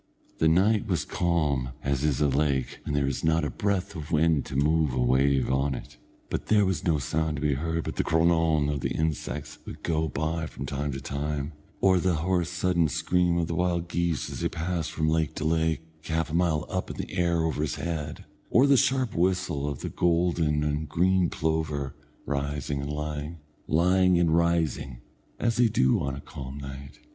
The night was calm as is a lake when there is not a breath of wind to move a wave on it, and there was no sound to be heard but the cronawn of the insects that would go by from time to time, or the hoarse sudden scream of the wild geese, as they passed from lake to lake, half a mile up in the air over his head; or the sharp whistle of the golden and green plover, rising and lying, lying and rising, as they do on a calm night.